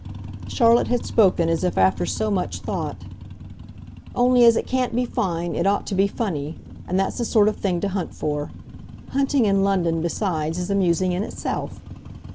Charlotte had spoken as if after so much thought. "Only, as it can't be fine, it ought to be funny and that's the sort of thing to hunt for. Hunting in London, besides, is amusing in itself."